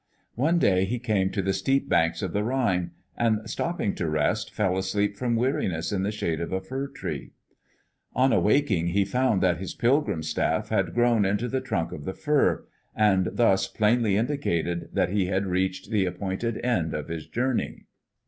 One day he came to the steep banks of the Rhine, and, stopping to rest, fell asleep from weariness, in the shade of a fir tree. On awaking, he found that his pilgrim's staff had grown into the trunk of the fir, and thus plainly indicated that he had reached the appointed end of his journey.